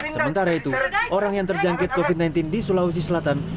sementara itu orang yang terjangkit covid sembilan belas di sulawesi selatan